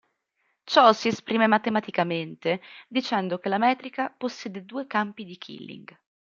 Ciò si esprime matematicamente dicendo che la metrica possiede due campi di Killing.